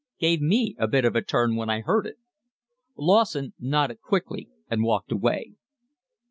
Gave me a bit of a turn when I heard it." Lawson nodded quickly and walked away.